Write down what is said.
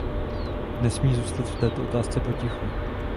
Nesmí zůstat v této otázce potichu.